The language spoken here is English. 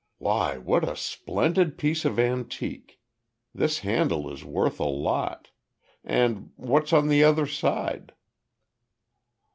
"Why, what a splendid piece of antique. This handle is worth a lot. And, what's on the other side?"